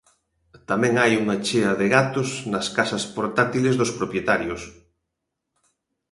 Tamén hai unha chea de gatos nas casas portátiles dos propietarios.